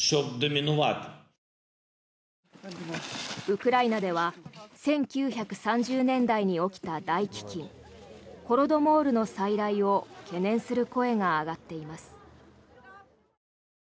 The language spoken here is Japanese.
ウクライナでは１９３０年代に起きた大飢きんホロドモールの再来を懸念する声が上がっています。